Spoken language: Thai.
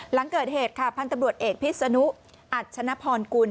หลังเกิดเหตุค่ะพันธุ์ตำรวจเอกพิษนุอัชนพรกุล